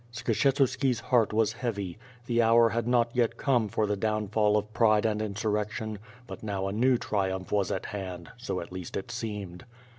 Skshetuski's heart was heavy. The hour had not yet come for the downfall of pride and insurrection, but now a new triumph v;as at hand, so at least it seemed.